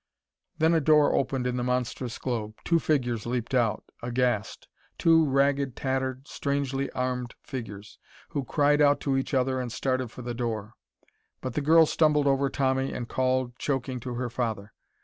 Then a door opened in the monstrous globe. Two figures leaped out, aghast. Two ragged, tattered, strangely armed figures, who cried out to each other and started for the door. But the girl stumbled over Tommy and called, choking, to her father.